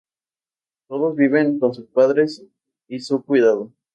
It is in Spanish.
Todavía viven con sus padres y a su cuidado.